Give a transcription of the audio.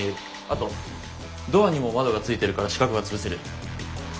あとドアにも窓がついてるから死角は潰せる。